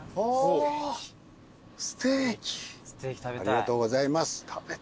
ありがとうございます。